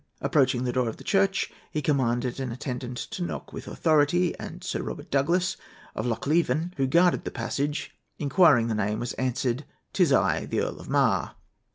Approaching the door of the church, he commanded an attendant to knock with authority; and Sir Robert Douglas, of Lochleven, who guarded the passage, inquiring the name, was answered, 'Tis I, the Earl of Mar.'